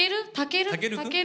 たける？